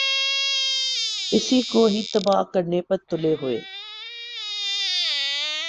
اسی کو ہی تباہ کرنے پر تلے ہوۓ ۔